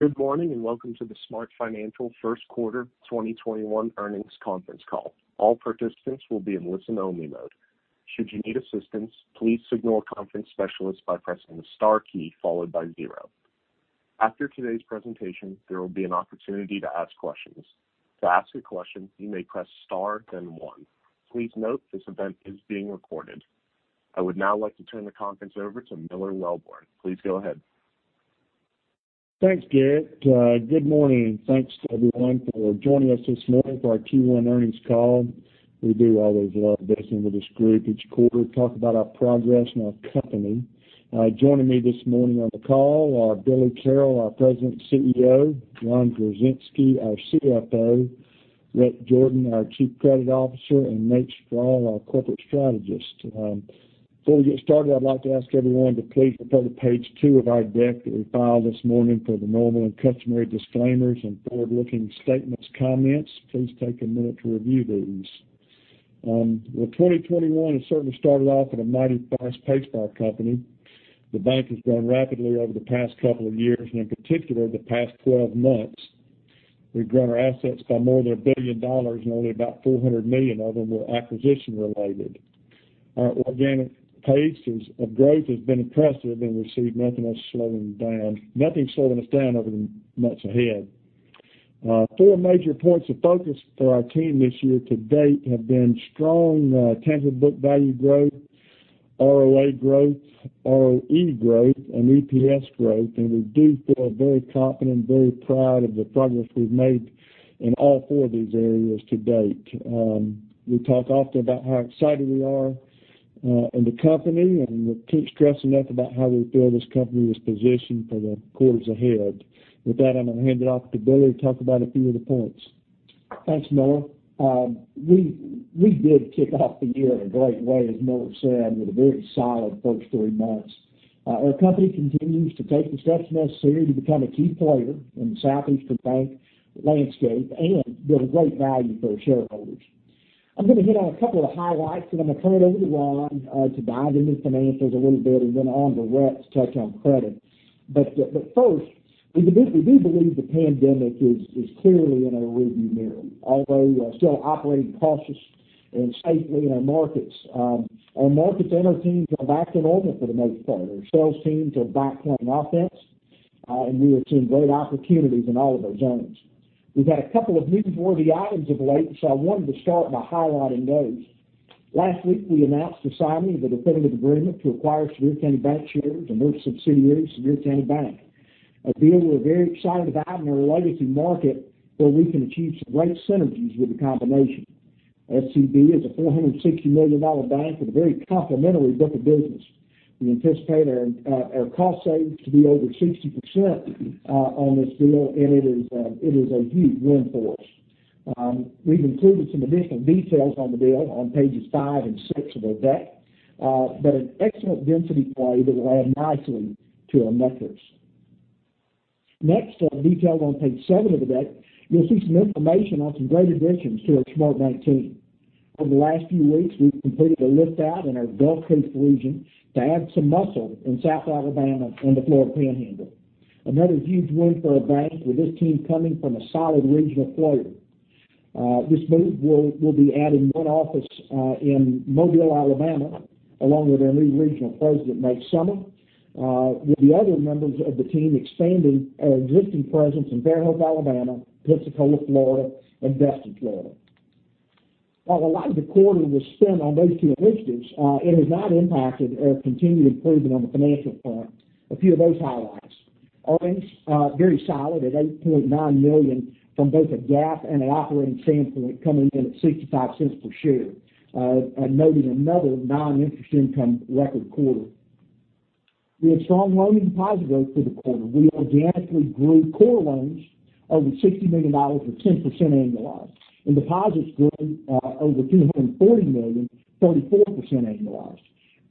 Good morning, and welcome to the SmartFinancial first quarter 2021 earnings conference call. All participants will be in listen-only mode. Should you need assistance, please signal a conference specialist by press the star key followed by zero. After today's presentation, there will be an opportunity to ask questions. To ask a question, you may press star then one. Please note, this event is being recorded. I would now like to turn the conference over to Miller Welborn. Please go ahead. Thanks, Garrett. Good morning, and thanks to everyone for joining us this morning for our Q1 earnings call. We do always love visiting with this group each quarter to talk about our progress and our company. Joining me this morning on the call are Billy Carroll, our President and CEO, Ron Gorczynski, our CFO, Rhett Jordan, our Chief Credit Officer, and Nate Strall, our Corporate Strategist. Before we get started, I'd like to ask everyone to please refer to page two of our deck that we filed this morning for the normal and customary disclaimers and forward-looking statements comments. Please take a minute to review these. Well, 2021 has certainly started off at a mighty fast pace for our company. The bank has grown rapidly over the past couple of years, and in particular, the past 12 months. We've grown our assets by more than $1 billion, and only about $400 million of them were acquisition related. Our organic pace of growth has been impressive, and we see nothing slowing us down over the months ahead. Four major points of focus for our team this year to date have been strong tangible book value growth, ROA growth, ROE growth, and EPS growth, and we do feel very confident and very proud of the progress we've made in all four of these areas to date. We talk often about how excited we are in the company, and we can't stress enough about how we feel this company is positioned for the quarters ahead. With that, I'm going to hand it off to Billy to talk about a few of the points. Thanks, Miller. We did kick off the year in a great way, as Miller said, with a very solid first three months. Our company continues to take the steps necessary to become a key player in the Southeastern bank landscape and build great value for our shareholders. I'm going to hit on a couple of highlights, then I'm going to turn it over to Ron to dive into the financials a little bit, and then on to Rhett to touch on credit. First, we do believe the pandemic is clearly in our rearview mirror, although we are still operating cautiously and safely in our markets. Our markets and our teams are back to normal for the most part. Our sales teams are back playing offense, and we are seeing great opportunities in all of our zones. We've had a couple of newsworthy items of late, so I wanted to start by highlighting those. Last week, we announced the signing of the definitive agreement to acquire Sevier County Bancshares and their subsidiary, Sevier County Bank, a deal we're very excited about in our legacy market, where we can achieve some great synergies with the combination. SCB is a $460 million bank with a very complementary book of business. We anticipate our cost savings to be over 60% on this deal, and it is a huge win for us. We've included some additional details on the deal on pages five and six of the deck, but an excellent density play that will add nicely to our metrics. Next, detailed on page seven of the deck, you'll see some information on some great additions to our SmartBank team. Over the last few weeks, we've completed a lift out in our Gulf Coast region to add some muscle in South Alabama and the Florida Panhandle. Another huge win for our bank, with this team coming from a solid regional player. This move will be adding one office in Mobile, Alabama, along with our new regional president, Nate Sommer, with the other members of the team expanding our existing presence in Fairhope, Alabama, Pensacola, Florida, and Destin, Florida. While a lot of the quarter was spent on those two initiatives, it has not impacted our continued improvement on the financial front. A few of those highlights. Earnings, very solid at $8.9 million from both a GAAP and an operating standpoint, coming in at $0.65 per share, and noting another non-interest income record quarter. We had strong loan and deposit growth for the quarter. We organically grew core loans over $60 million or 10% annualized, and deposits grew over $240 million, 34% annualized.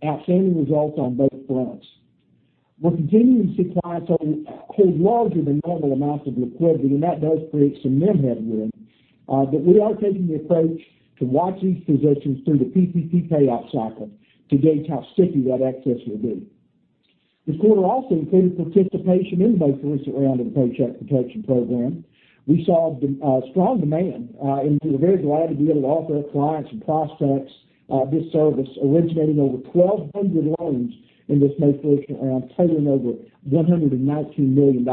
Outstanding results on both fronts. We're continuing to see clients hold larger than normal amounts of liquidity, and that does create some net headroom. We are taking the approach to watch these positions through the PPP payoff cycle to gauge how sticky that excess will be. This quarter also included participation in the first round of the Paycheck Protection Program. We saw strong demand, and so we're very glad to be able to offer our clients and prospects this service, originating over 1,200 loans in this most recent round, totaling over $119 million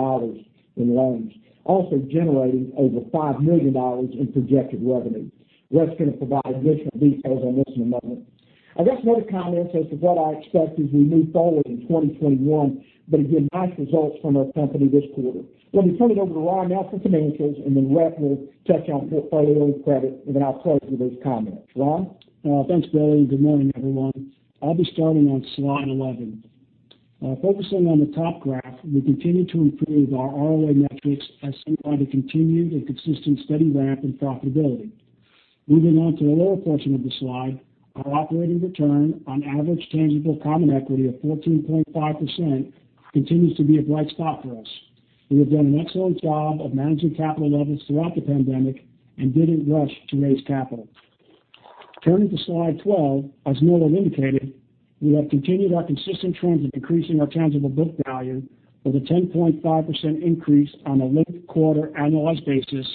in loans. Also generating over $5 million in projected revenue. Rhett's going to provide additional details on this in a moment. I guess another comment as to what I expect as we move forward in 2021, but again, nice results from our company this quarter. Let me turn it over to Ron now for financials, and then Rhett will touch on portfolio credit, and then I'll close with his comments. Ron? Thanks, Billy. Good morning, everyone. I'll be starting on slide 11. Focusing on the top graph, we continue to improve our ROA metrics as seen by the continued and consistent steady ramp in profitability. Moving on to the lower portion of the slide, our operating return on average tangible common equity of 14.5% continues to be a bright spot for us. We have done an excellent job of managing capital levels throughout the pandemic and didn't rush to raise capital. Turning to slide 12, as Miller indicated, we have continued our consistent trend of increasing our tangible book value with a 10.5% increase on a linked-quarter annualized basis,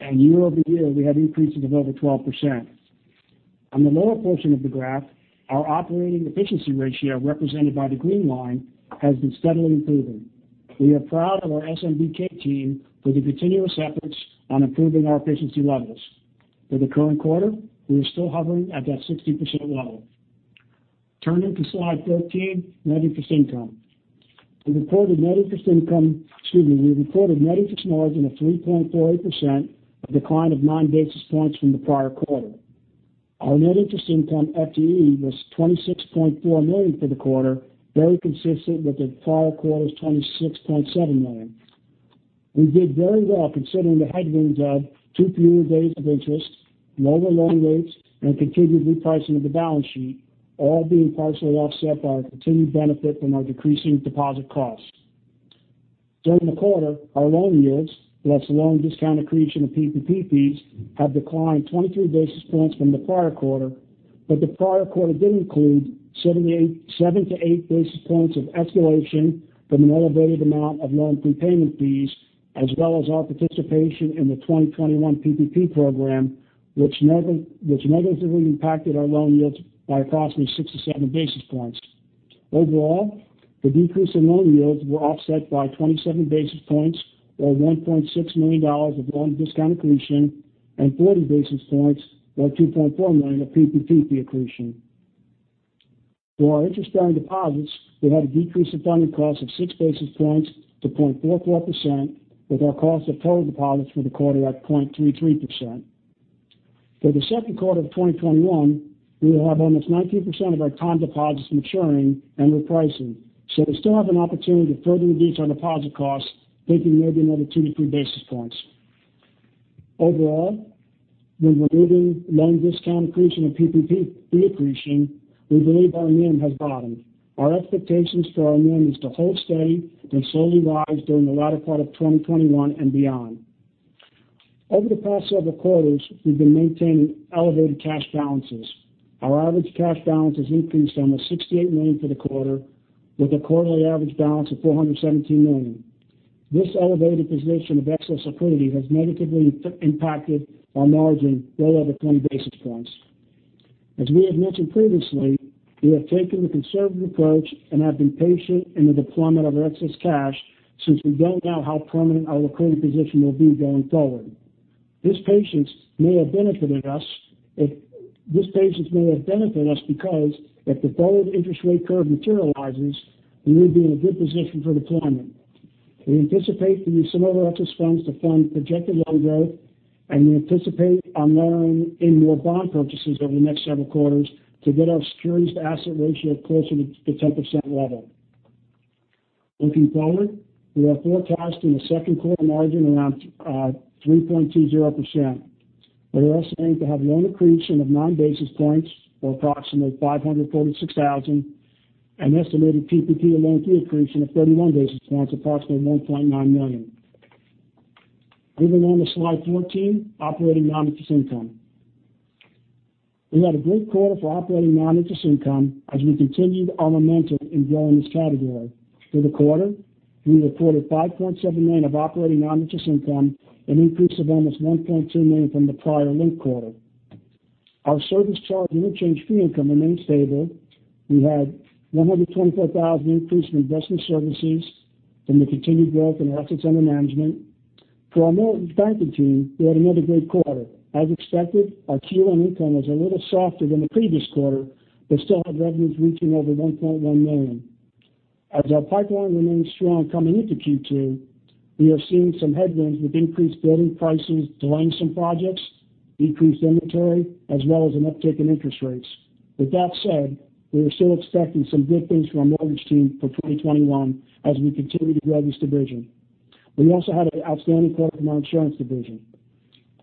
and year-over-year, we have increases of over 12%. On the lower portion of the graph, our operating efficiency ratio, represented by the green line, has been steadily improving. We are proud of our SMBK team for the continuous efforts on improving our efficiency levels. For the current quarter, we are still hovering at that 60% level. Turning to slide 13, net interest income. Excuse me, we reported net interest margin of 3.48%, a decline of 9 basis points from the prior quarter. Our net interest income FTE was $26.4 million for the quarter, very consistent with the prior quarter's $26.7 million. We did very well considering the headwinds of two fewer days of interest, lower loan rates, and continued repricing of the balance sheet, all being partially offset by our continued benefit from our decreasing deposit costs. During the quarter, our loan yields, less loan discount accretion of PPP fees, have declined 23 basis points from the prior quarter. The prior quarter did include 7-8 basis points of escalation from an elevated amount of loan prepayment fees, as well as our participation in the 2021 PPP program, which negatively impacted our loan yields by approximately 67 basis points. Overall, the decrease in loan yields were offset by 27 basis points or $1.6 million of loan discount accretion and 40 basis points, or $2.4 million of PPP fee accretion. For our interest-bearing deposits, we had a decrease in funding costs of 6 basis points to 0.44%, with our cost of total deposits for the quarter at 0.33%. For the second quarter of 2021, we will have almost 19% of our time deposits maturing and repricing. We still have an opportunity to further reduce our deposit costs, maybe another 2-3 basis points. Overall, when removing loan discount accretion and PPP fee accretion, we believe our NIM has bottomed. Our expectations for our NIM is to hold steady, then slowly rise during the latter part of 2021 and beyond. Over the past several quarters, we've been maintaining elevated cash balances. Our average cash balance has increased almost $68 million for the quarter with a quarterly average balance of $417 million. This elevated position of excess liquidity has negatively impacted our margin well over 20 basis points. As we have mentioned previously, we have taken the conservative approach and have been patient in the deployment of our excess cash since we don't know how permanent our liquidity position will be going forward. This patience may have benefited us because if the forward interest rate curve materializes, we will be in a good position for deployment. We anticipate to use some of our excess funds to fund projected loan growth, and we anticipate on layering in more bond purchases over the next several quarters to get our securities asset ratio closer to 10% level. Looking forward, we are forecasting a second quarter margin around 3.20%. We're estimating to have loan accretion of 9 basis points, or approximately $546,000, an estimated PPP loan fee accretion of 31 basis points, approximately $1.9 million. Moving on to slide 14, operating non-interest income. We had a great quarter for operating non-interest income as we continued our momentum in growing this category. For the quarter, we reported $5.7 million of operating non-interest income, an increase of almost $1.2 million from the prior linked quarter. Our service charge and interchange fee income remains stable. We had $124,000 increase from investment services from the continued growth in assets under management. For our mortgage banking team, we had another great quarter. As expected, our QM income was a little softer than the previous quarter, but still had revenues reaching over $1.1 million. As our pipeline remains strong coming into Q2, we have seen some headwinds with increased building prices delaying some projects, decreased inventory, as well as an uptick in interest rates. With that said, we are still expecting some good things from our mortgage team for 2021 as we continue to grow this division. We also had an outstanding quarter from our insurance division.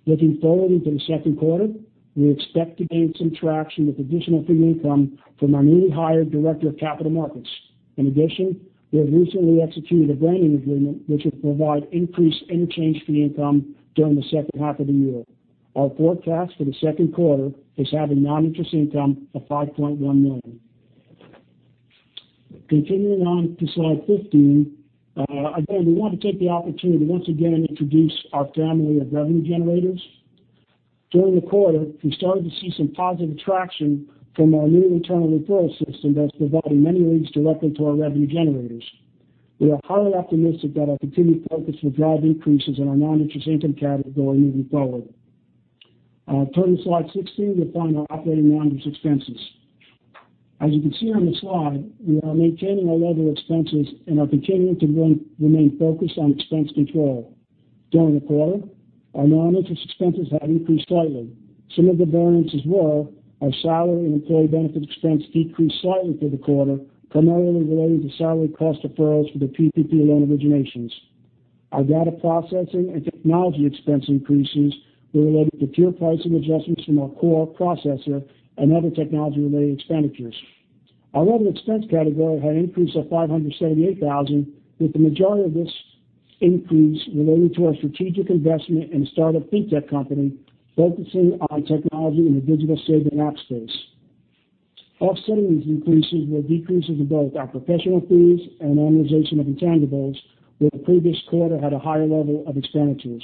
Looking forward into the second quarter, we expect to gain some traction with additional fee income from our newly hired director of capital markets. In addition, we have recently executed a branding agreement which will provide increased interchange fee income during the second half of the year. Our forecast for the second quarter is having non-interest income of $5.1 million. Continuing on to slide 15, again, we want to take the opportunity to once again introduce our family of revenue generators. During the quarter, we started to see some positive traction from our new internal referral system that's providing many leads directly to our revenue generators. We are highly optimistic that our continued focus will drive increases in our non-interest income category moving forward. Turning to slide 16, you'll find our operating non-interest expenses. As you can see on the slide, we are maintaining our level expenses and are continuing to remain focused on expense control. During the quarter, our non-interest expenses have increased slightly. Some of the variances were our salary and employee benefit expense decreased slightly for the quarter, primarily related to salary cost deferrals for the PPP loan originations. Our data processing and technology expense increases were related to pure pricing adjustments from our core processor and other technology-related expenditures. Our other expense category had an increase of $578,000, with the majority of this increase related to our strategic investment in a startup fintech company focusing on technology in the digital savings app space. Offsetting these increases were decreases in both our professional fees and amortization of intangibles, where the previous quarter had a higher level of expenditures.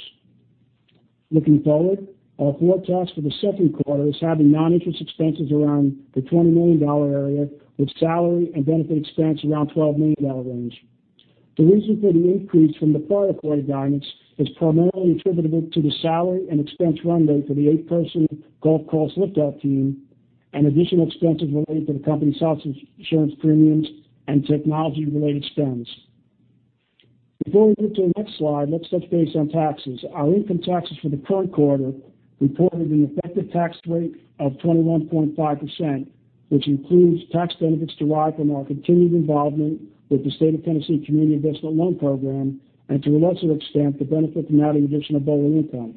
Looking forward, our forecast for the second quarter is having non-interest expenses around the $20 million area, with salary and benefit expense around the $12 million range. The reason for the increase from the prior quarter guidance is primarily attributable to the salary and expense run rate for the eight-person Gulf Coast lift-out team and additional expenses related to the company's health insurance premiums and technology-related spends. Before we move to the next slide, let's touch base on taxes. Our income taxes for the current quarter reported an effective tax rate of 21.5%, which includes tax benefits derived from our continued involvement with the State of Tennessee Community Investment Loan program and, to a lesser extent, the benefit from adding additional BOLI income.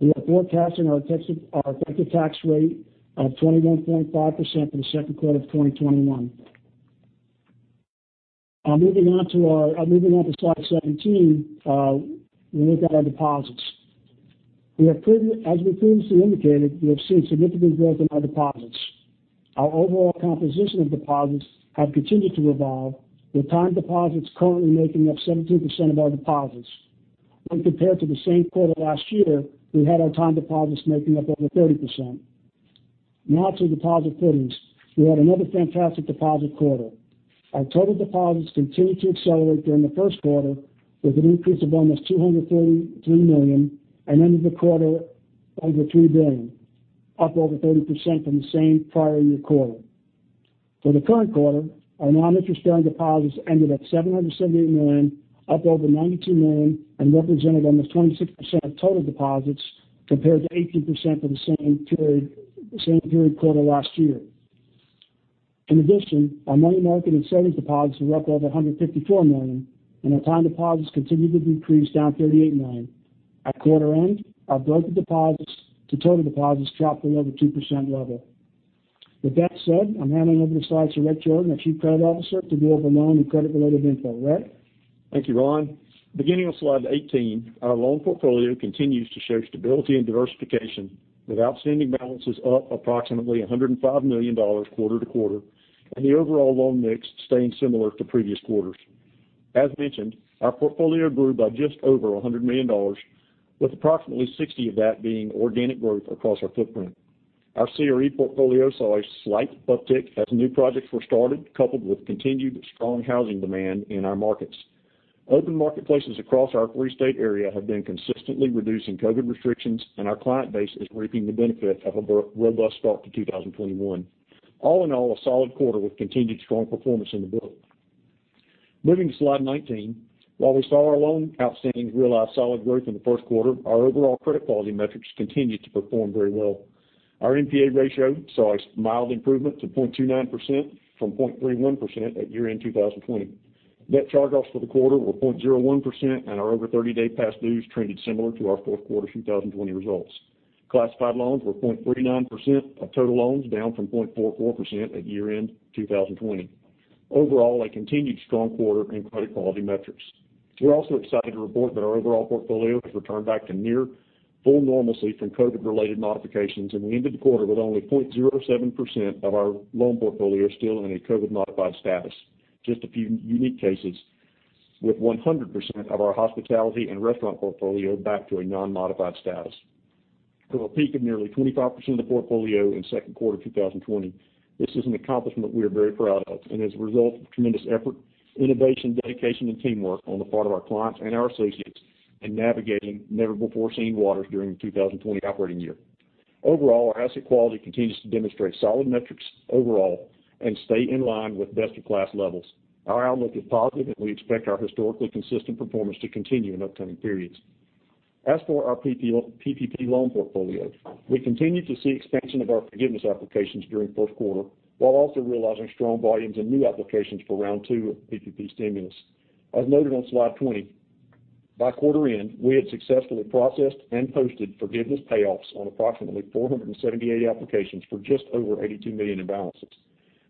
We are forecasting our effective tax rate of 21.5% for the second quarter of 2021. Moving on to slide 17, we look at our deposits. As we previously indicated, we have seen significant growth in our deposits. Our overall composition of deposits have continued to evolve, with time deposits currently making up 17% of our deposits. When compared to the same quarter last year, we had our time deposits making up over 30%. Now to deposit earnings. We had another fantastic deposit quarter. Our total deposits continued to accelerate during the first quarter with an increase of almost $233 million and ended the quarter over $2 billion, up over 30% from the same prior year quarter. For the current quarter, our non-interest bearing deposits ended at $770 million, up over $92 million, and represented almost 26% of total deposits, compared to 18% for the same period quarter last year. In addition, our money market and savings deposits were up over $154 million, and our time deposits continued to decrease, down $38 million. At quarter end, our broker deposits to total deposits dropped below the 2% level. With that said, I'm handing over the slides to Rhett Jordan, our Chief Credit Officer, to go over loan and credit-related info. Rhett? Thank you, Ron. Beginning on slide 18, our loan portfolio continues to show stability and diversification, with outstanding balances up approximately $105 million quarter-to-quarter and the overall loan mix staying similar to previous quarters. As mentioned, our portfolio grew by just over $100 million, with approximately $60 million of that being organic growth across our footprint. Our CRE portfolio saw a slight uptick as new projects were started, coupled with continued strong housing demand in our markets. Open marketplaces across our three-state area have been consistently reducing COVID restrictions, and our client base is reaping the benefit of a robust start to 2021. All in all, a solid quarter with continued strong performance in the book. Moving to slide 19. While we saw our loan outstandings realize solid growth in the first quarter, our overall credit quality metrics continued to perform very well. Our NPA ratio saw a mild improvement to 0.29% from 0.31% at year-end 2020. Net charge-offs for the quarter were 0.01%, and our over 30-day past dues trended similar to our fourth quarter 2020 results. Classified loans were 0.39% of total loans, down from 0.44% at year-end 2020. Overall, a continued strong quarter in credit quality metrics. We're also excited to report that our overall portfolio has returned back to near full normalcy from COVID-related modifications, and we ended the quarter with only 0.07% of our loan portfolio still in a COVID-modified status. Just a few unique cases, with 100% of our hospitality and restaurant portfolio back to a non-modified status. From a peak of nearly 25% of the portfolio in second quarter 2020, this is an accomplishment we are very proud of and is a result of tremendous effort, innovation, dedication, and teamwork on the part of our clients and our associates in navigating never-before-seen waters during the 2020 operating year. Overall, our asset quality continues to demonstrate solid metrics overall and stay in line with best-in-class levels. Our outlook is positive, and we expect our historically consistent performance to continue in upcoming periods. As for our PPP loan portfolio, we continued to see expansion of our forgiveness applications during the first quarter, while also realizing strong volumes in new applications for round 2 of PPP stimulus. As noted on slide 20, by quarter end, we had successfully processed and posted forgiveness payoffs on approximately 478 applications for just over $82 million in balances.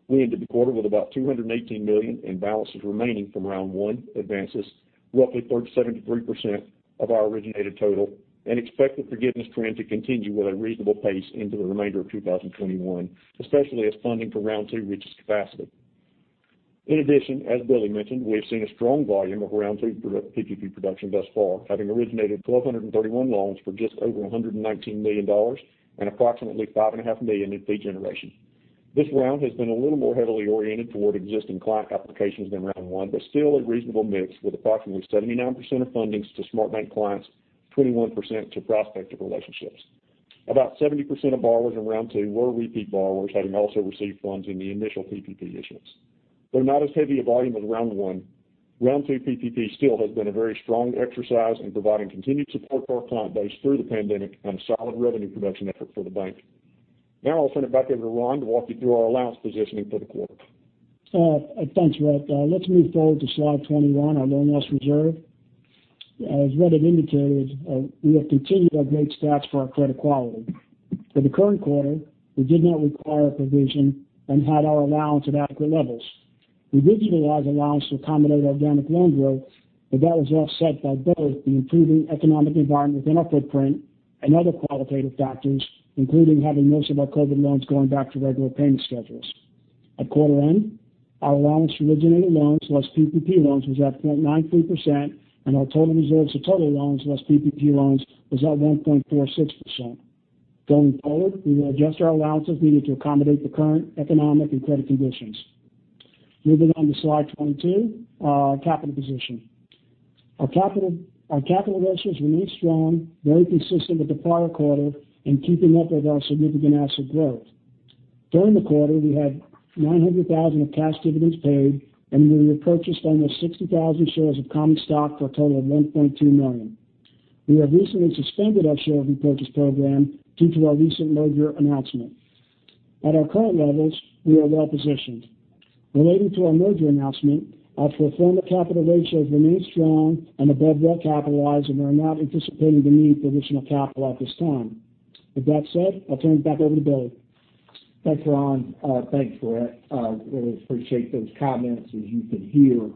We ended the quarter with about $218 million in balances remaining from round 1 advances, roughly 37% of our originated total, and expect the forgiveness trend to continue with a reasonable pace into the remainder of 2021, especially as funding for round 2 reaches capacity. In addition, as Billy mentioned, we have seen a strong volume of round 2 PPP production thus far, having originated 1,231 loans for just over $119 million and approximately $5.5 million in fee generation. This round has been a little more heavily oriented toward existing client applications than round 1, but still a reasonable mix with approximately 79% of fundings to SmartBank clients, 21% to prospective relationships. About 70% of borrowers in round 2 were repeat borrowers, having also received loans in the initial PPP issuance. Though not as heavy a volume as round 1, round 2 PPP still has been a very strong exercise in providing continued support to our client base through the pandemic and a solid revenue production effort for the bank. Now I'll turn it back over to Ron to walk you through our allowance positioning for the quarter. Thanks, Rhett. Let's move forward to slide 21, our loan loss reserve. As Rhett had indicated, we have continued our great stats for our credit quality. For the current quarter, we did not require a provision and had our allowance at adequate levels. We did utilize allowance to accommodate organic loan growth, but that was offset by both the improving economic environment within our footprint and other qualitative factors, including having most of our COVID loans going back to regular payment schedules. At quarter end, our allowance for originated loans, plus PPP loans, was at 0.93%, and our total reserves for total loans, plus PPP loans, was at 1.46%. Going forward, we will adjust our allowances needed to accommodate the current economic and credit conditions. Moving on to slide 22, our capital position. Our capital ratios remain strong, very consistent with the prior quarter, and keeping up with our significant asset growth. During the quarter, we had $900,000 of cash dividends paid, and we repurchased almost 60,000 shares of common stock for a total of $1.2 million. We have recently suspended our share repurchase program due to our recent merger announcement. At our current levels, we are well-positioned. Relating to our merger announcement, our pro forma capital ratios remain strong and above well-capitalized, and we are not anticipating the need for additional capital at this time. With that said, I'll turn it back over to Billy. Thanks, Ron. Thanks, Rhett. Really appreciate those comments. As you can hear,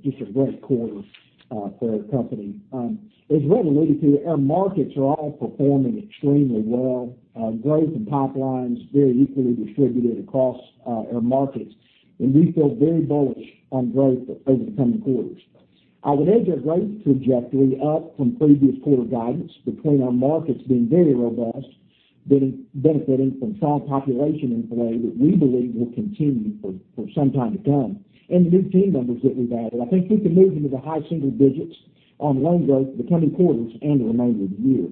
just a great quarter for our company. As Rhett alluded to, our markets are all performing extremely well. Growth and pipelines very equally distributed across our markets, and we feel very bullish on growth over the coming quarters. I would edge our growth trajectory up from previous quarter guidance between our markets being very robust, benefiting from strong population inflow that we believe will continue for some time to come, and the new team members that we've added. I think we can move into the high single-digits on loan growth for the coming quarters and the remainder of the year.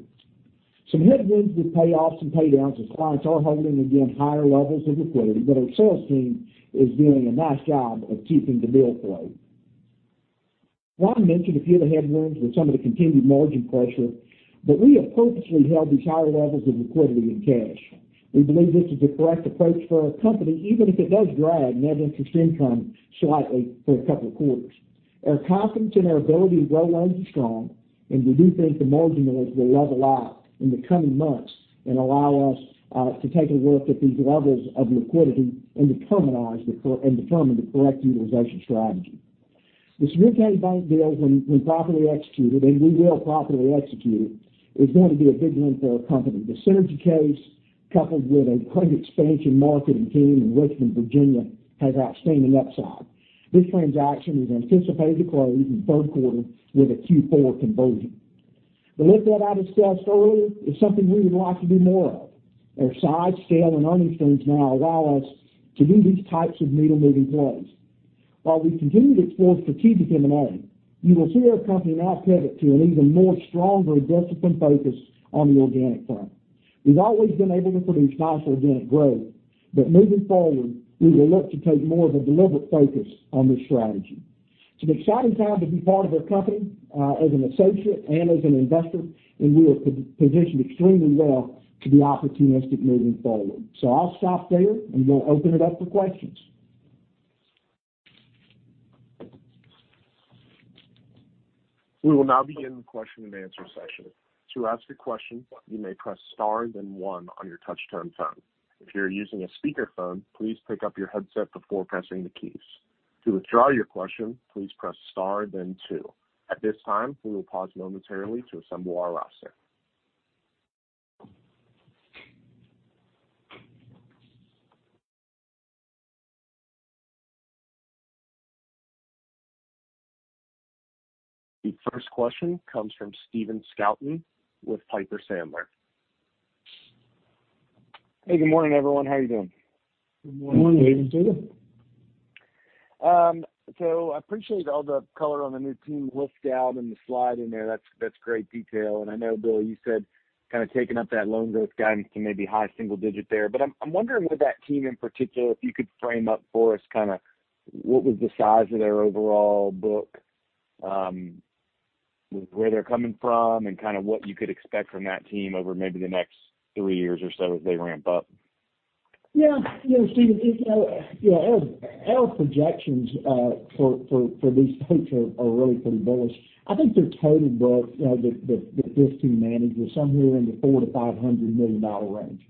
Some headwinds with payoffs and pay downs as clients are holding, again, higher levels of liquidity, but our sales team is doing a nice job of keeping the deal flow. Ron mentioned a few of the headwinds with some of the continued margin pressure, but we have purposely held these higher levels of liquidity and cash. We believe this is the correct approach for our company, even if it does drag net interest income slightly for a couple of quarters. Our confidence in our ability to grow loans is strong, and we do think the margin will level out in the coming months and allow us to take a look at these levels of liquidity and determine the correct utilization strategy. This Sevier County Bank deal, when properly executed, and we will properly execute it, is going to be a big win for our company. The synergy case, coupled with a credit expansion marketing team in Richmond, Virginia, has outstanding upside. This transaction is anticipated to close in third quarter with a Q4 conversion. The lift-out I discussed earlier is something we would like to do more of. Our size, scale, and earnings trends now allow us to do these types of needle-moving plays. While we continue to explore strategic M&A, you will see our company now pivot to an even more stronger discipline focus on the organic front. Moving forward, we will look to take more of a deliberate focus on this strategy. We are positioned extremely well to be opportunistic moving forward. I'll stop there, and we'll open it up for questions. We will now begin the question-and-answer session. To ask a question, you may press star then one on your touch-tone phone. If you are using a speaker phone, please pick up your headset before pressing the keys. To withdraw your question, please press star then two. At this time, we will pause momentarily to assemble our roster. The first question comes from Stephen Scouten with Piper Sandler. Hey, good morning, everyone. How are you doing? Good morning. Morning. I appreciate all the color on the new team lift-out and the slide in there. That's great detail. I know, Bill, you said kind of taking up that loan growth guidance to maybe high single digit there. I'm wondering with that team in particular, if you could frame up for us what was the size of their overall book, where they're coming from, and what you could expect from that team over maybe the next three years or so as they ramp up. Yeah. Stephen, our projections for these folks are really pretty bullish. I think their total books that this team manages, somewhere in the $400 million-$500 million range.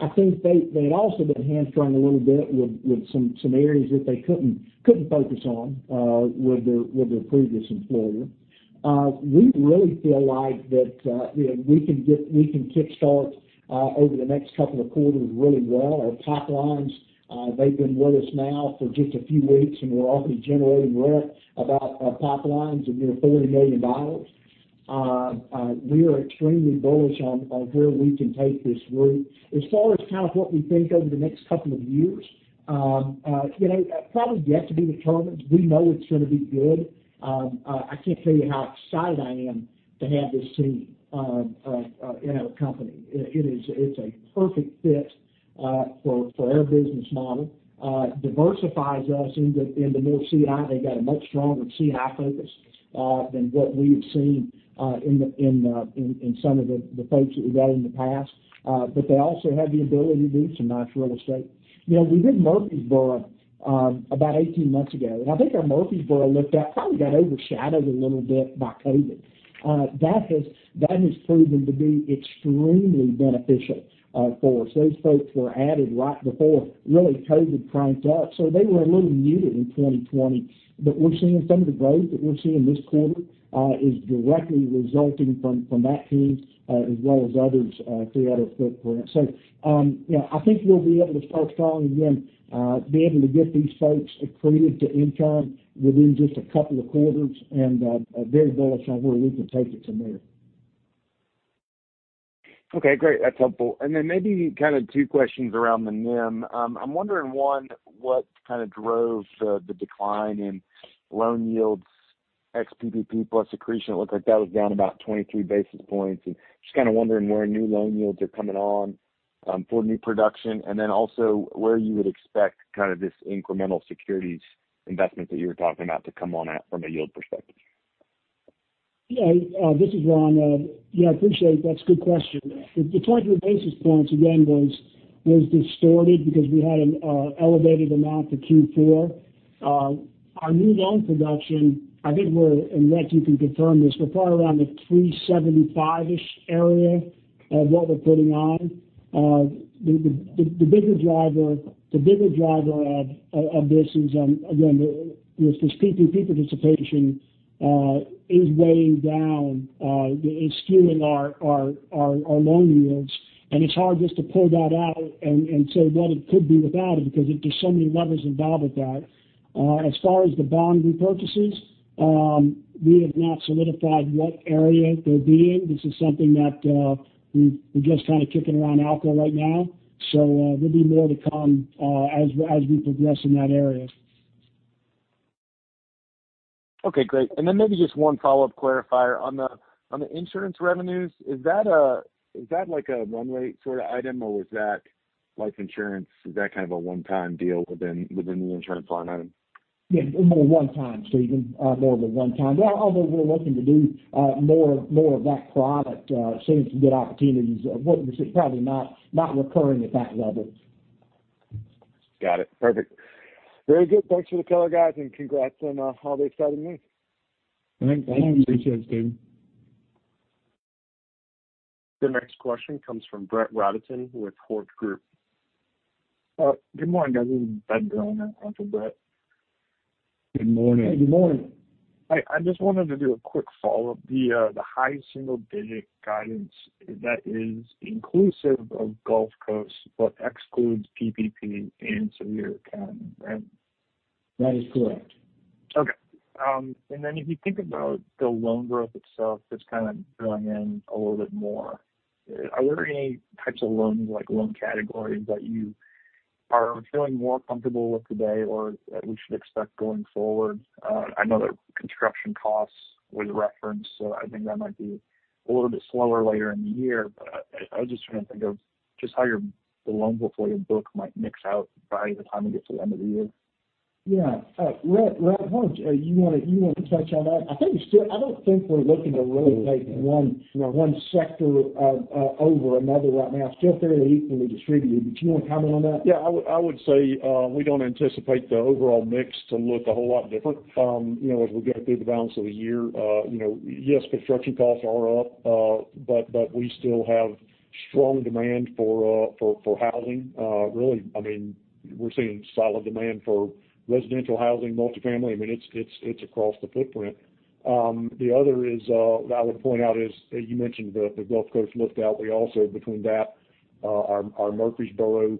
I think they had also been hamstrung a little bit with some areas that they couldn't focus on with their previous employer. We really feel like that we can kickstart over the next couple of quarters really well. Our pipelines, they've been with us now for just a few weeks, and we're already generating wealth about pipelines of near $40 million. We are extremely bullish on where we can take this group. As far as what we think over the next couple of years, probably yet to be determined. We know it's going to be good. I can't tell you how excited I am to have this team in our company. It's a perfect fit for our business model. Diversifies us in the Middle C&I. They got a much stronger C&I focus than what we have seen in some of the folks that we've had in the past. They also have the ability to do some nice real estate. We did Murfreesboro about 18 months ago, and I think our Murfreesboro lift-out probably got overshadowed a little bit by COVID. That has proven to be extremely beneficial for us. Those folks were added right before really COVID cranked up, so they were a little muted in 2020. We're seeing some of the growth that we're seeing this quarter is directly resulting from that team as well as others throughout our footprint. I think we'll be able to start strong and then be able to get these folks accretive to income within just a couple of quarters and very bullish on where we can take it from there. Okay, great. That's helpful. Then maybe kind of two questions around the NIM. I'm wondering, one, what kind of drove the decline in loan yields ex PPP plus accretion? It looked like that was down about 23 basis points. Just kind of wondering where new loan yields are coming on for new production, also where you would expect this incremental securities investment that you were talking about to come on at from a yield perspective. Yeah. This is Ron. Yeah, appreciate it. That's a good question. The 20 basis points, again, was distorted because we had an elevated amount for Q4. Our new loan production, I think we're, and Rhett, you can confirm this, we're probably around the 375-ish area of what we're putting on. The bigger driver of this is, again, the PPP participation is weighing down, it's skewing our loan yields. It's hard just to pull that out and say what it could be without it, because there's so many levers involved with that. As far as the bond repurchases, we have not solidified what area they'll be in. This is something that we're just kind of kicking around ALCO right now. There'll be more to come as we progress in that area. Okay, great. Maybe just one follow-up clarifier. On the insurance revenues, is that like a one-way sort of item, or was that life insurance? Is that kind of a one-time deal within the insurance line item? Yeah. More one-time, Stephen. More of a one-time. Although we're looking to do more of that product, seeing some good opportunities. It's probably not recurring at that level. Got it. Perfect. Very good. Thanks for the color, guys, and congrats on all the exciting news. Thanks. Thanks. Appreciate it, Stephen. The next question comes from Brett Rabatin with Hovde Group. Good morning, guys. This is [Ben] going out for Brett. Good morning. Hey, good morning. I just wanted to do a quick follow-up. The high single-digit guidance that is inclusive of Gulf Coast but excludes PPP and Sevier County, right? That is correct. Okay. If you think about the loan growth itself that's kind of filling in a little bit more, are there any types of loans, like loan categories, that you are feeling more comfortable with today or that we should expect going forward? I know that construction costs were the reference, so I think that might be a little bit slower later in the year. I was just trying to think of just how the loans hopefully in book might mix out by the time we get to the end of the year. Yeah. Rhett, why don't you want to touch on that? I don't think we're looking to really take one sector over another right now. It's still fairly evenly distributed. Do you want to comment on that? I would say, we don't anticipate the overall mix to look a whole lot different as we go through the balance of the year. Yes, construction costs are up, but we still have strong demand for housing. Really, we're seeing solid demand for residential housing, multifamily. It's across the footprint. The other is, that I would point out is, you mentioned the Gulf Coast lift-out. We also, between that, our Murfreesboro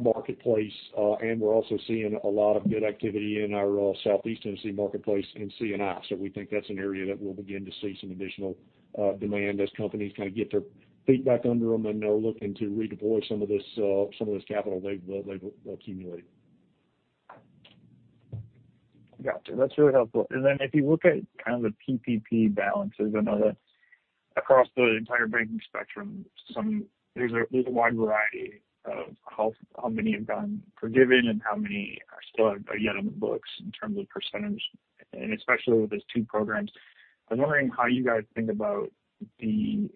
marketplace, and we're also seeing a lot of good activity in our Southeast Tennessee marketplace in C&I. We think that's an area that we'll begin to see some additional demand as companies kind of get their feet back under them, and they're looking to redeploy some of this capital they've accumulated. Gotcha. That's really helpful. If you look at kind of the PPP balances across the entire banking spectrum, there's a wide variety of how many have gone forgiven and how many are still yet on the books in terms of percentage, and especially with those two programs. I was wondering how you guys think about the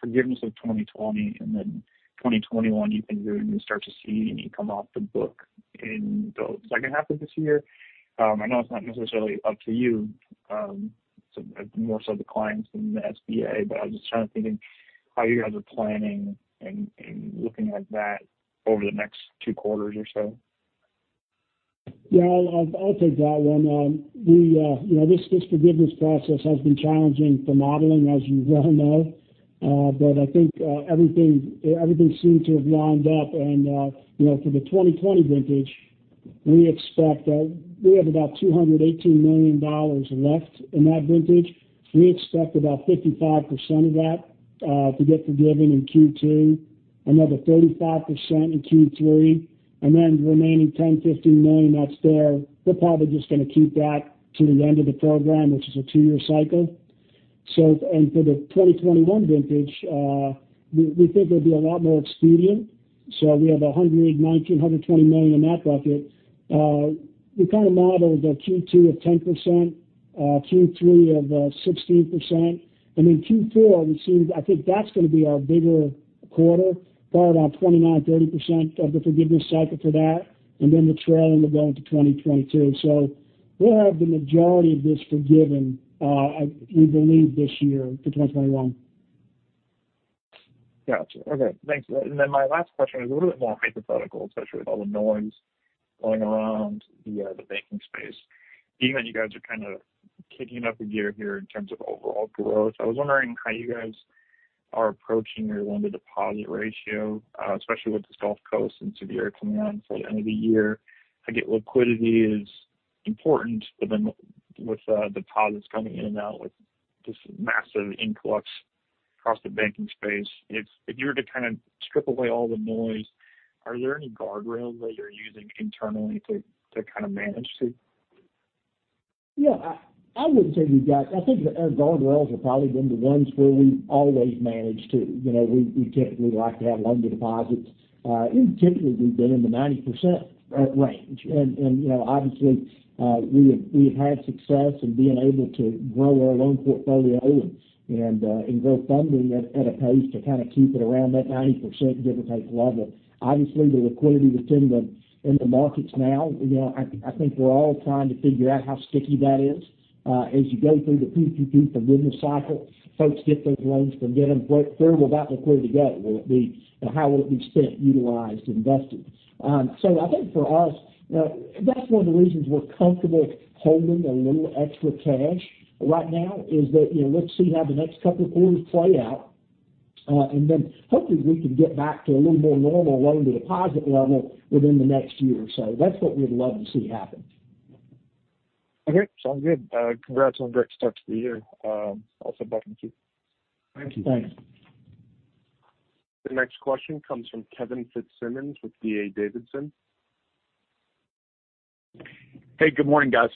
forgiveness of 2020 and then 2021 you've been doing, you start to see any come off the book in the second half of this year. I know it's not necessarily up to you, more so the clients and the SBA, I was just kind of thinking how you guys are planning and looking at that over the next two quarters or so. Yeah. I'll take that one. This forgiveness process has been challenging for modeling, as you well know. I think everything seemed to have lined up. For the 2020 vintage, we have about $218 million left in that vintage. We expect about 55% of that to get forgiven in Q2, another 35% in Q3, then the remaining $1,050 million that's there, we're probably just going to keep that to the end of the program, which is a two-year cycle. For the 2021 vintage, we think there'll be a lot more expedient. We have $119 million, $120 million in that bucket. We kind of modeled a Q2 of 10%, a Q3 of 16%, then Q4, I think that's going to be our bigger quarter, probably about 29%, 30% of the forgiveness cycle for that, then the trailing will go into 2022. We'll have the majority of this forgiven, we believe this year for 2021. Got you. Okay. Thanks. My last question is a little bit more hypothetical, especially with all the noise going around the banking space. Being that you guys are kind of kicking up a gear here in terms of overall growth, I was wondering how you guys are approaching your loan-to-deposit ratio, especially with this Gulf Coast and Sevier coming on for the end of the year. I get liquidity is important with the deposits coming in and out with this massive influx across the banking space. If you were to strip away all the noise, are there any guardrails that you're using internally to manage to? Yeah. I wouldn't say we've got, I think our guardrails have probably been the ones where we always manage to. We typically like to have loan deposits. Typically, we've been in the 90% range. Obviously, we have had success in being able to grow our loan portfolio and grow funding at a pace to keep it around that 90% type level. Obviously, the liquidity that's in the markets now, I think we're all trying to figure out how sticky that is. As you go through the PPP forgiveness cycle, folks get those loans. Where will that liquidity go? How will it be spent, utilized, invested? I think for us, that's one of the reasons we're comfortable holding a little extra cash right now, is that, let's see how the next couple of quarters play out. Hopefully we can get back to a little more normal loan-to-deposit level within the next year or so. That's what we'd love to see happen. Okay. Sounds good. Congrats on a great start to the year. Also bottom two. Thank you. Thanks. The next question comes from Kevin Fitzsimmons with D.A. Davidson. Hey, good morning, guys.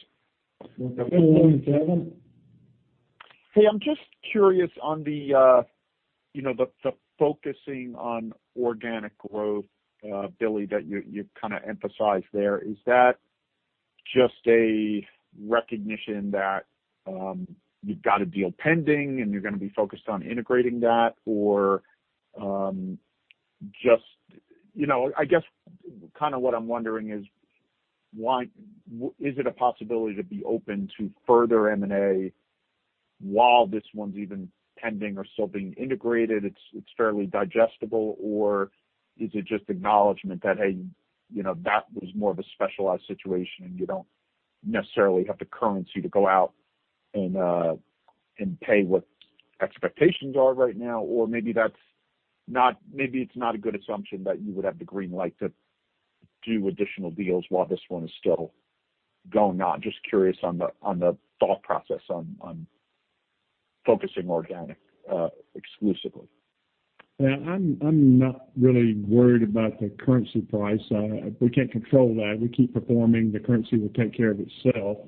Good morning, Kevin. Hey, I'm just curious on the focusing on organic growth, Billy, that you emphasized there. Is that just a recognition that you've got a deal pending, and you're going to be focused on integrating that? I guess, what I'm wondering is why is it a possibility to be open to further M&A while this one's even pending or still being integrated, it's fairly digestible? Is it just acknowledgment that, hey, that was more of a specialized situation, and you don't necessarily have the currency to go out and pay what expectations are right now? Maybe that's not a good assumption that you would have the green light to do additional deals while this one is still going on. Just curious on the thought process on focusing organic, exclusively. Yeah, I'm not really worried about the currency price. We can't control that. We keep performing, the currency will take care of itself.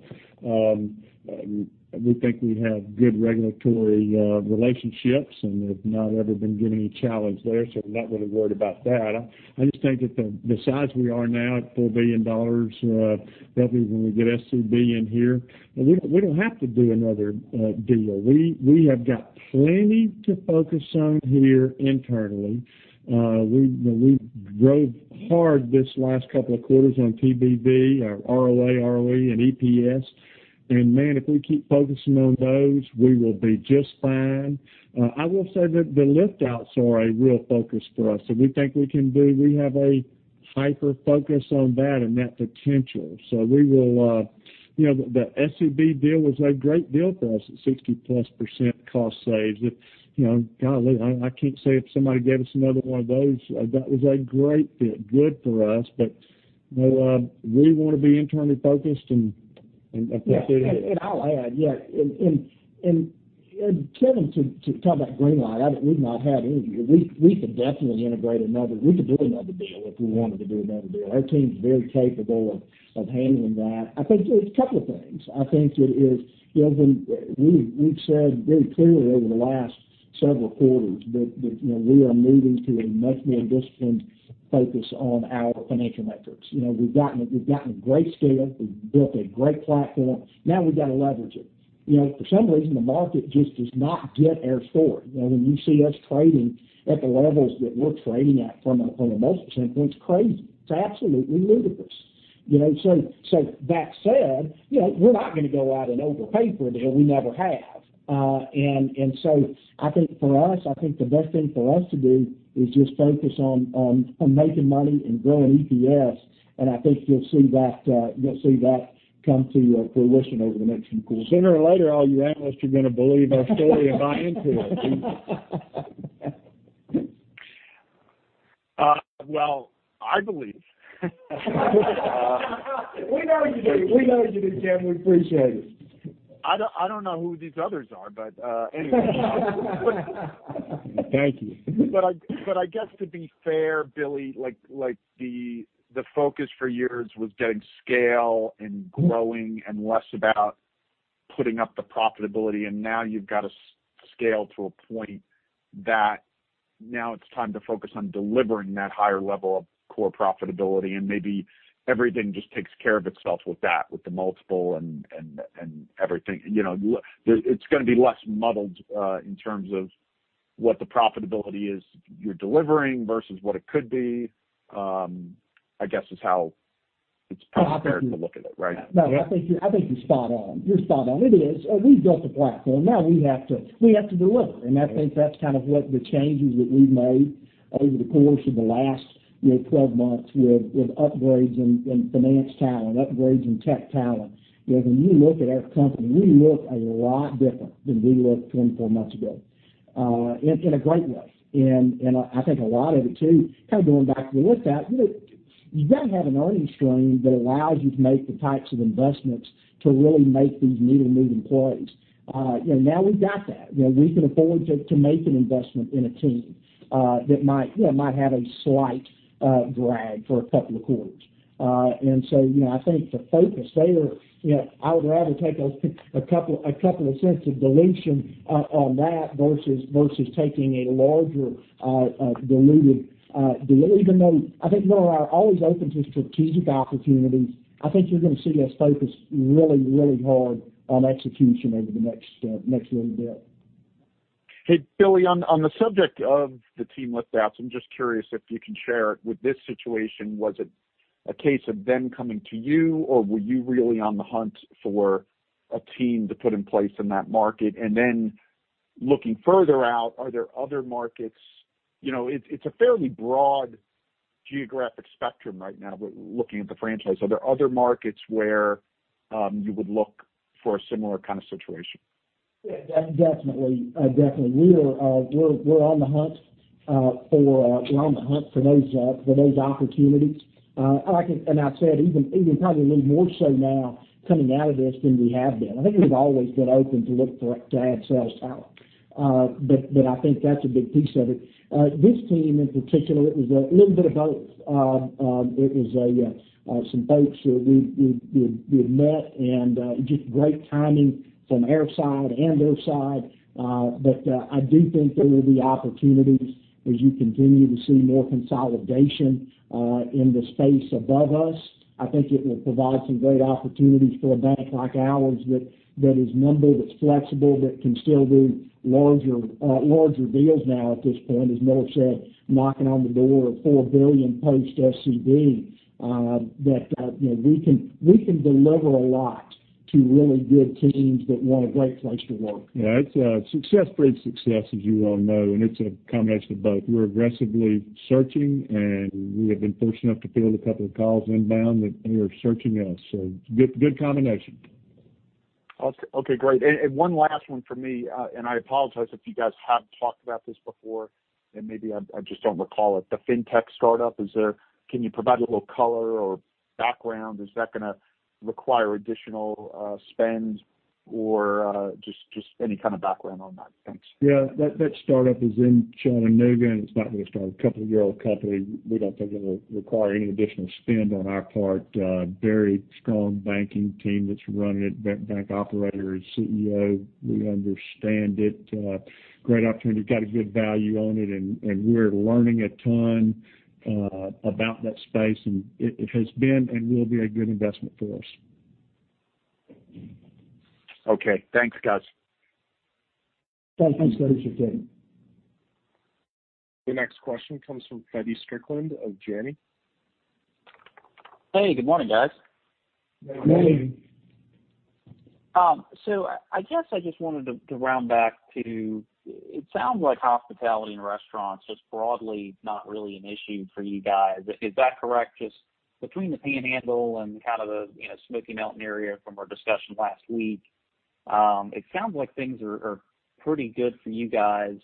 We think we have good regulatory relationships, we've not ever been given any challenge there, I'm not really worried about that. I just think that the size we are now at $4 billion, probably when we get SCB in here, we don't have to do another deal. We have got plenty to focus on here internally. We drove hard this last couple of quarters on TBV, our ROA, ROE, and EPS. Man, if we keep focusing on those, we will be just fine. I will say that the lift-outs are a real focus for us, we think we have a hyper-focus on that and that potential. The SCB deal was a great deal for us at 60%+ cost saves. Golly, I can't say if somebody gave us another one of those. That was a great fit, good for us. No, we want to be internally focused. Yeah. I'll add, Kevin, to talk about green light, we've not had any. We could definitely integrate another. We could do another deal if we wanted to do another deal. Our team's very capable of handling that. I think there's a couple of things. I think that is, Kevin, we've said very clearly over the last several quarters that we are moving to a much more disciplined focus on our financial metrics. We've gotten a great scale. We've built a great platform. Now we've got to leverage it. For some reason, the market just does not get our story. When you see us trading at the levels that we're trading at from a multiple standpoint, it's crazy. It's absolutely ludicrous. That said, we're not going to go out and overpay for a deal. We never have. I think for us, I think the best thing for us to do is just focus on making money and growing EPS. I think you'll see that come to fruition over the next few quarters. Sooner or later, all you analysts are going to believe our story and buy into it. Well, I believe. We know you do, Kevin. We appreciate it. I don't know who these others are, but anyway. Thank you. I guess to be fair, Billy, the focus for years was getting scale and growing and less about putting up the profitability. Now you've got to scale to a point that now it's time to focus on delivering that higher level of core profitability. Maybe everything just takes care of itself with that, with the multiple and everything. It's going to be less muddled, in terms of what the profitability is you're delivering versus what it could be, I guess is how it's probably fair to look at it, right? No, I think you're spot on. You're spot on. It is. We've built a platform. Now we have to deliver. I think that's what the changes that we've made over the course of the last 12 months with upgrades in finance talent, upgrades in tech talent. When you look at our company, we look a lot different than we looked 24 months ago. In a great way. I think a lot of it too, going back to the lift out, you've got to have an earnings stream that allows you to make the types of investments to really make these needed move employees. Now we've got that. We can afford to make an investment in a team that might have a slight drag for a couple of quarters. I think the focus there, I would rather take $0.02 of dilution on that even though I think we are always open to strategic opportunities. I think you're going to see us focus really hard on execution over the next little bit. Hey, Billy, on the subject of the team lift outs, I'm just curious if you can share, with this situation, was it a case of them coming to you or were you really on the hunt for a team to put in place in that market? Looking further out, are there other markets. It's a fairly broad geographic spectrum right now, looking at the franchise. Are there other markets where you would look for a similar kind of situation? Yeah, definitely. We're on the hunt for those opportunities. I've said even probably a little more so now coming out of this than we have been. I think we've always been open to look to add sales power. I think that's a big piece of it. This team in particular, it was a little bit of both. It was some folks we had met and just great timing from our side and their side. I do think there will be opportunities as you continue to see more consolidation in the space above us. I think it will provide some great opportunities for a bank like ours that is nimble, that's flexible, that can still do larger deals now at this point, as Miller said, knocking on the door of $4 billion post SCB. We can deliver a lot to really good teams that want a great place to work. Yeah, it's success breeds success, as you well know, and it's a combination of both. We're aggressively searching, and we have been fortunate enough to field a couple of calls inbound that they are searching us. Good combination. Okay, great. One last one for me, I apologize if you guys have talked about this before, and maybe I just don't recall it. The fintech startup, can you provide a little color or background? Is that going to require additional spend or just any kind of background on that? Thanks. Yeah, that startup is in Chattanooga, and it's not really a startup. Couple-year-old company. We don't think it'll require any additional spend on our part. Very strong banking team that's running it, bank operator as CEO. We understand it. Great opportunity. Got a good value on it, and we're learning a ton about that space, and it has been and will be a good investment for us. Okay. Thanks, guys. Thanks. Thanks for the question. The next question comes from Feddie Strickland of Janney. Hey, good morning, guys. Good morning. I guess I just wanted to round back to, it sounds like hospitality and restaurants is broadly not really an issue for you guys. Is that correct? Just between the Panhandle and kind of the Smoky Mountain area from our discussion last week, it sounds like things are pretty good for you guys,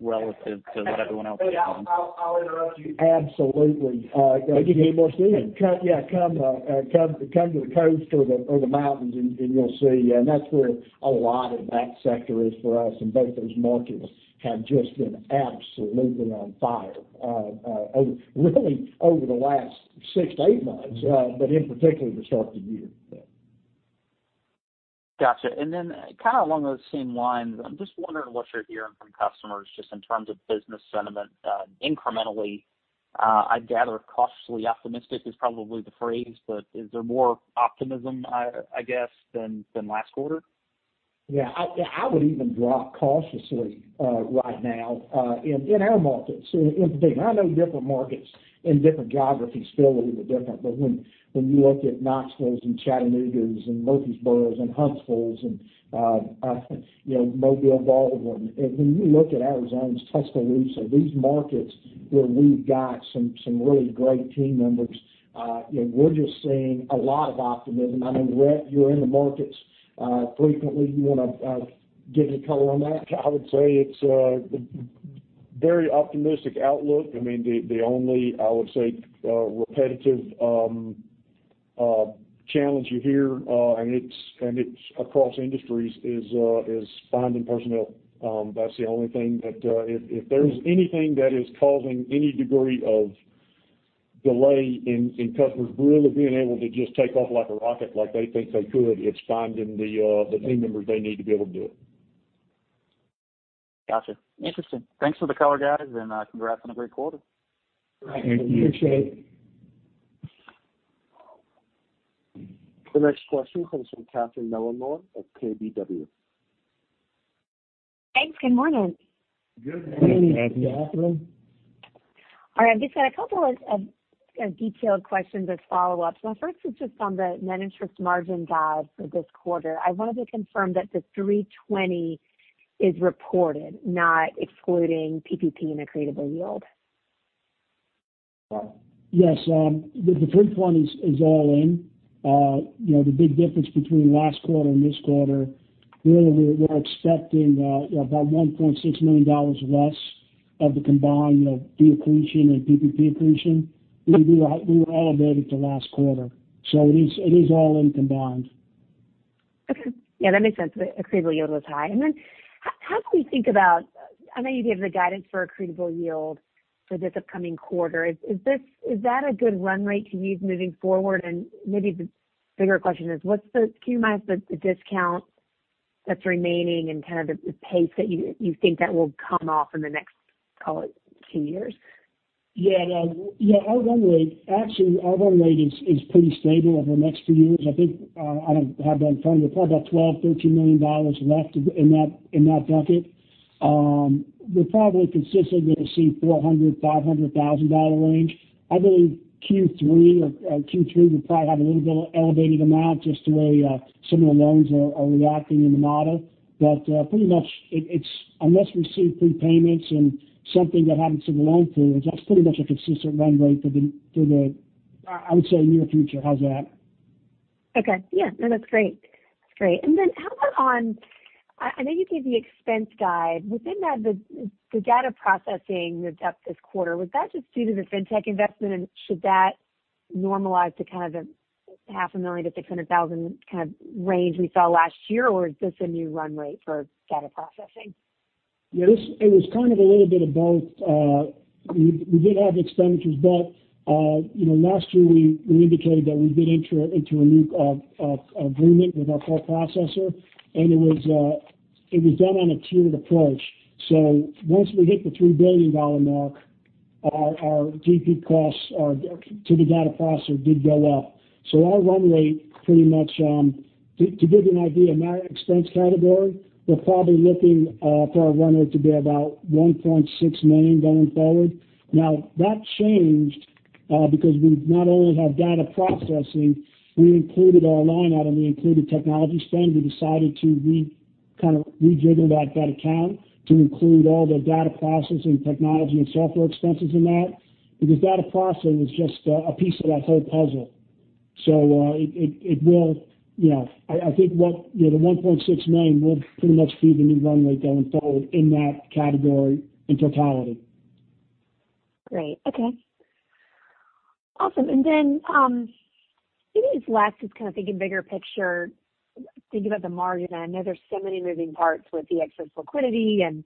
relative to what everyone else is saying. I'll interrupt you. Absolutely. You need more seasoning. Yeah. Come to the coast or the mountains, and you'll see. That's where a lot of that sector is for us, and both those markets have just been absolutely on fire, really over the last six to eight months. In particular, the start of the year. Got you. Kind of along those same lines, I'm just wondering what you're hearing from customers just in terms of business sentiment incrementally. I gather cautiously optimistic is probably the phrase, but is there more optimism, I guess, than last quarter? Yeah. I would even drop cautiously right now in our markets. Feddie, I know different markets and different geographies feel a little bit different, but when you look at Knoxville and Chattanooga and Murfreesboro and Huntsville and Mobile, Baldwin. When you look at Arizona's Tucson, Mesa, these markets where we've got some really great team members, we're just seeing a lot of optimism. I mean, Rhett, you're in the markets frequently. You want to give any color on that? I would say it's a very optimistic outlook. I mean, the only, I would say, repetitive challenge you hear, and it's across industries, is finding personnel. That's the only thing that if there's anything that is causing any degree of delay in customers really being able to just take off like a rocket like they think they could, it's finding the team members they need to be able to do it. Got you. Interesting. Thanks for the color, guys, and congrats on a great quarter. Thank you. Appreciate it. The next question comes from Catherine Mealor of KBW. Thanks. Good morning. Good morning, Catherine. Good morning, Catherine. All right. I've just got a couple of detailed questions or follow-ups. My first is just on the net interest margin guide for this quarter. I wanted to confirm that the 320 is reported, not excluding PPP and accretable yield. Yes. The 320 is all in. The big difference between last quarter and this quarter, really, we're expecting about $1.6 million less of the combined deal accretion and PPP accretion. We were elevated to last quarter. It is all in combined. Okay. Yeah, that makes sense. The accretable yield was high. I know you gave the guidance for accretable yield for this upcoming quarter. Is that a good run rate to use moving forward? Maybe the bigger question is, can you minus the discount that's remaining and the pace that you think that will come off in the next, call it two years? Yeah. Our run rate actually is pretty stable over the next few years. I think, I don't have that in front of me, probably about $12 million, $13 million left in that bucket. We're probably consistent. We'll see $400,000-$500,000 range. I believe Q3 will probably have a little bit of elevated amount, just the way some of the loans are reacting in the model. Pretty much, unless we see prepayments and something that happens to the loan pool, that's pretty much a consistent run rate for the, I would say, near future. How's that? Okay. Yeah. No, that's great. How about on, I know you gave the expense guide. Within that, the data processing was up this quarter. Was that just due to the fintech investment and should that normalize to kind of the $500,000-$600,000 kind of range we saw last year? Or is this a new run rate for data processing? Yeah. It was kind of a little bit of both. We did have expenditures. Last year we indicated that we did enter into a new agreement with our core processor, and it was done on a tiered approach. Once we hit the $3 billion mark, our DP costs to the data processor did go up. Our run rate pretty much, to give you an idea, in our expense category, we're probably looking for our run rate to be about $1.6 million going forward. Now, that changed because we not only have data processing, we included our loan out and we included technology spend. We decided to kind of rejigger that account to include all the data processing technology and software expenses in that. Data processing was just a piece of that whole puzzle. I think the $1.6 million will pretty much be the new run rate going forward in that category in totality. Great. Okay. Awesome. Maybe this last is kind of thinking bigger picture, thinking about the margin. I know there's so many moving parts with the excess liquidity and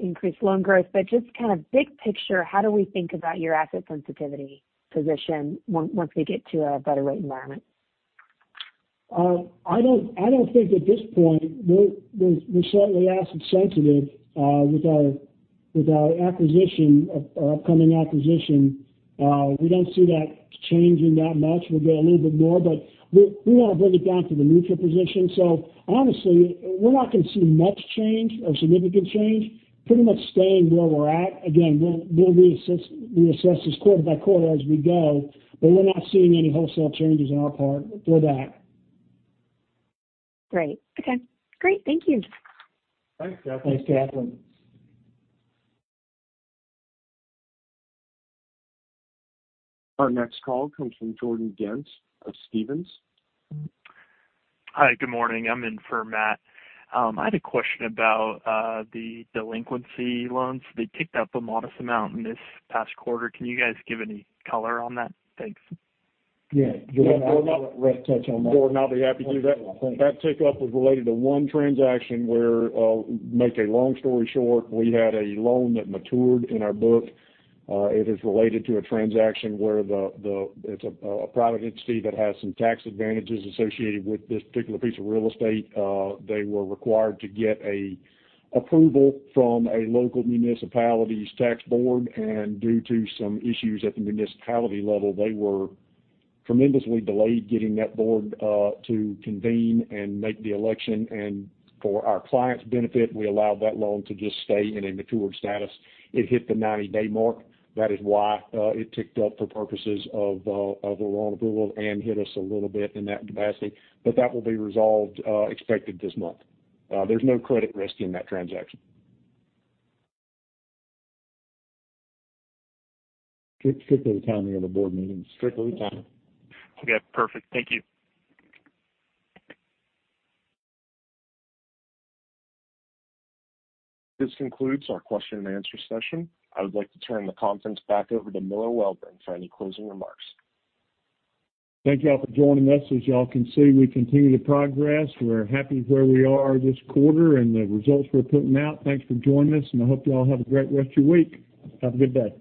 increased loan growth, just kind of big picture, how do we think about your asset sensitivity position once we get to a better rate environment? I don't think at this point, we're certainly asset sensitive with our upcoming acquisition. We don't see that changing that much. We'll get a little bit more, but we want to bring it down to the neutral position. Honestly, we're not going to see much change or significant change. Pretty much staying where we're at. Again, we'll reassess this quarter-by-quarter as we go, but we're not seeing any wholesale changes on our part with that. Great. Okay. Great. Thank you. Thanks, Catherine. Thanks, Catherine. Our next call comes from Jordan Ghent of Stephens. Hi, good morning. I'm in for Matt. I had a question about the delinquency loans. They ticked up a modest amount in this past quarter. Can you guys give any color on that? Thanks. Yeah. Do you want to touch on that? Jordan, I'll be happy to do that. That tick up was related to one transaction where, make a long story short, we had a loan that matured in our book. It is related to a transaction where it's a private entity that has some tax advantages associated with this particular piece of real estate. They were required to get approval from a local municipality's tax board, and due to some issues at the municipality level, they were tremendously delayed getting that board to convene and make the election. For our client's benefit, we allowed that loan to just stay in a matured status. It hit the 90-day mark. That is why it ticked up for purposes of a non-accrual and hit us a little bit in that capacity. That will be resolved expected this month. There's no credit risk in that transaction. Strictly timing of the board meeting. Strictly timing. Okay, perfect. Thank you. This concludes our question-and-answer session. I would like to turn the conference back over to Miller Welborn for any closing remarks. Thank y'all for joining us. As y'all can see, we continue to progress. We're happy where we are this quarter and the results we're putting out. Thanks for joining us, and I hope you all have a great rest of your week. Have a good day.